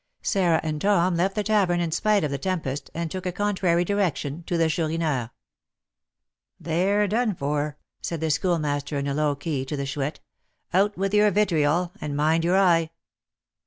Sarah and Tom left the tavern in spite of the tempest, and took a contrary direction to the Chourineur. "They're done for," said the Schoolmaster, in a low key, to the Chouette; "out with your vitriol, and mind your eye."